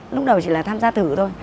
lúc đầu chỉ là tham gia thử thôi